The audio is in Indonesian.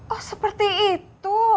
oh seperti itu